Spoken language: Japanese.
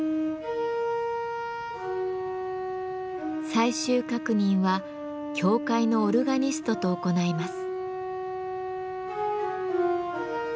最終確認は教会のオルガニストと行います。